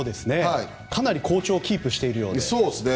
かなり好調をキープしているみたいで。